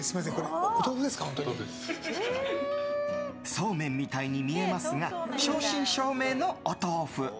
そうめんみたいに見えますが正真正銘のお豆腐。